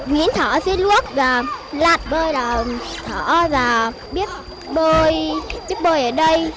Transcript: nghĩa thỏa dưới luốc và lạt bơi là thỏa và biết bơi ở đây